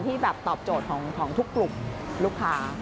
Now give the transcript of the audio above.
ที่แบบตอบโจทย์ของทุกกลุ่มลูกค้า